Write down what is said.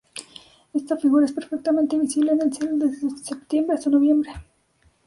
Esta figura es perfectamente visible en el cielo desde septiembre hasta noviembre.